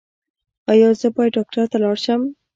ایا زه باید ډاکټر ته لاړ شم؟